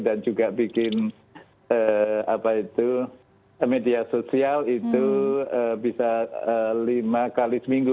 dan juga bikin media sosial itu bisa lima kali seminggu